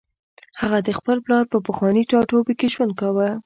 هغه د خپل پلار په پخواني ټاټوبي کې ژوند کاوه